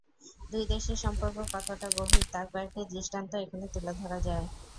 দুই দেশের সম্পর্ক কতটা গভীর তার কয়েকটি দৃষ্টান্ত এখানে তুলে ধরা যায়।